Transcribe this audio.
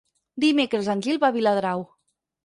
Dimecres en Gil va a Viladrau.